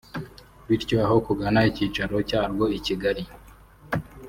bityo aho kugana icyicaro cyarwo i Kigali